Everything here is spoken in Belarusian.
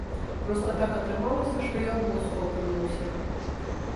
Проста так атрымалася, што я ў войску апынуўся.